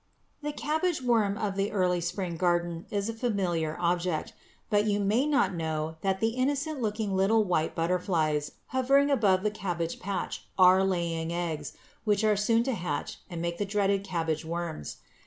= The cabbage worm of the early spring garden is a familiar object, but you may not know that the innocent looking little white butterflies hovering about the cabbage patch are laying eggs which are soon to hatch and make the dreaded cabbage worms.